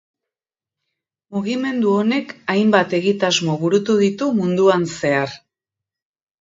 Mugimendu honek hainbat egitasmo burutu ditu munduan zehar.